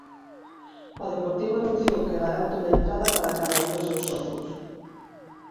O Deportivo anunciou que garante unha entrada para cada un dos seus socios.